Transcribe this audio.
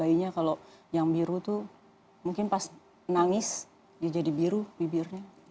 bayinya kalau yang biru itu mungkin pas nangis dia jadi biru bibirnya